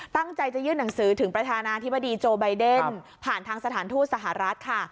ตั้งใจจะยื่นหนังสือถึงประธานาธิบดีโจไบเดนผ่านทางสถานทูตสหรัฐค่ะ